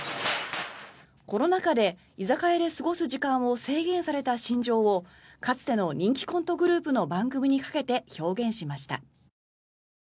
コロナ禍で居酒屋で過ごす時間を制限された心情をかつての人気コントグループの番組にかけて表現しました。